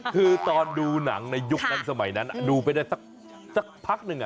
คือตอนดูหนังในยุคนั้นสมัยนั้นดูไปได้สักพักหนึ่ง